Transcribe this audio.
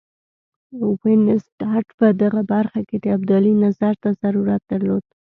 وینسیټارټ په دغه برخه کې د ابدالي نظر ته ضرورت درلود.